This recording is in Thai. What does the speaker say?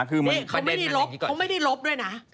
เนี่ยเขาไม่เนี่ยหลบด้วยนะ